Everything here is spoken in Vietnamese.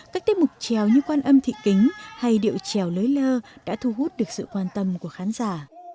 các tiết mục trèo như quan âm thị kính hay điệu trèo lưới lơ đã thu hút được sự quan tâm của khán giả